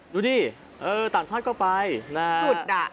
ดูดิเออต่างชาติก็ไปสุดอ่ะ